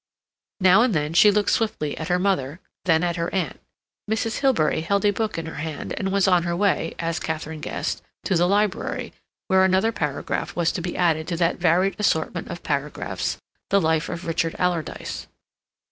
Now and then she looked swiftly at her mother, then at her aunt. Mrs. Hilbery held a book in her hand, and was on her way, as Katharine guessed, to the library, where another paragraph was to be added to that varied assortment of paragraphs, the Life of Richard Alardyce.